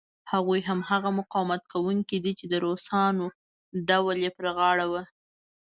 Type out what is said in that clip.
هغوی هماغه مقاومت کوونکي دي چې د روسانو ډول یې پر غاړه و.